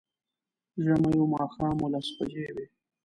ژمی و، ماښام و، لس بجې وې